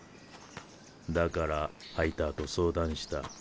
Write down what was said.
だからハイターと相談した。